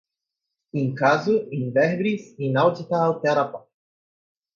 in casu, in verbis, inaudita altera par